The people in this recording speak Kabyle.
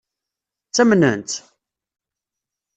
Ttamnen-tt?